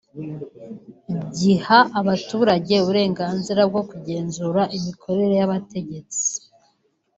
giha abaturage uburenganzira bwo kugenzura imikorere y’abategetsi